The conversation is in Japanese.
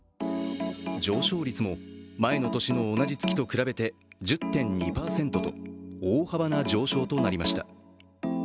上昇率も前の年の同じ月と比べて１０．２％と大幅な上昇となりました。